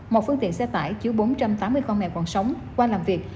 một phương tiện xe tải chứa bốn trăm tám mươi con nghèo còn sống qua làm việc